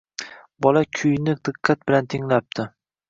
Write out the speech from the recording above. Bola kuyni diqqat bilan tinglabdi